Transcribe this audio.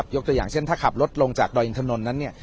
ตัวอย่างเช่นถ้าขับรถลงจากดอยอินทนนท์นั้นเนี่ย